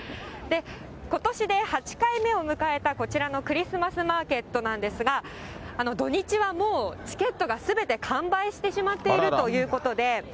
ことしで８回目を迎えたこちらのクリスマスマーケットなんですが、土日はもう、チケットがすべて完売してしまっているということで。